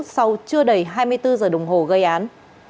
sau chưa đầy hai mươi bốn giờ đồng hồ gây án